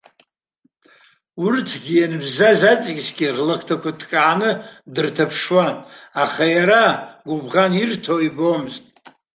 Урҭгьы ианбзаз аҵкысгьы рлакҭақәа ҭкааны дырҭаԥшуан, аха иара гәыбӷан ирҭо ибомызт.